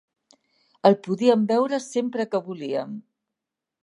El podíem veure sempre que volíem.